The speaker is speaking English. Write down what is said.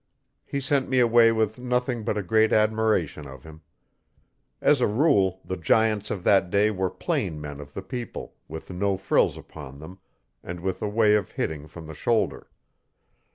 He sent me away with nothing but a great admiration of him. As a rule, the giants of that day were plain men of the people, with no frills upon them, and with a way of hitting from the shoulder.